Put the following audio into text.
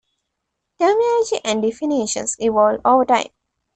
Terminology and definitions evolve over time.